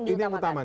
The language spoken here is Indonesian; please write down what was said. itu yang diutamakan